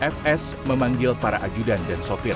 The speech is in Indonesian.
fs memanggil para ajudan dan sopir